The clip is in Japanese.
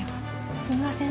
すいません